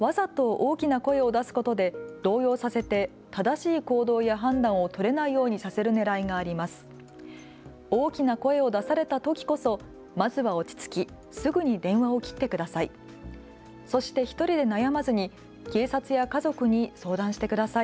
大きな声を出されたときこそまずは落ち着き、すぐに電話を切ってください。